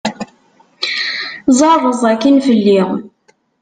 Ẓeṛṛeẓ akin fell-i!